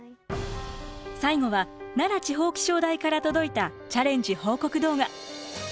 最後は奈良地方気象台から届いたチャレンジ報告動画。